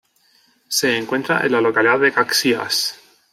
Se encuentra en la localidad de Caxias.